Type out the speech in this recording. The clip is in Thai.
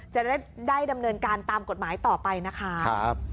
จะได้ดำเนินการตามกฎหมายต่อไปนะคะ